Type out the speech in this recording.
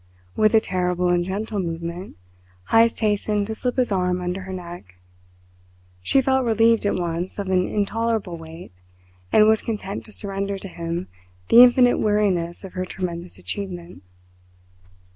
With a terrible and gentle movement, Heyst hastened to slip his arm under her neck. She felt relieved at once of an intolerable weight, and was content to surrender to him the infinite weariness of her tremendous achievement.